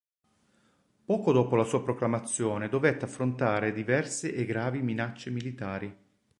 Poco dopo la sua proclamazione dovette affrontare diverse e gravi minacce militari.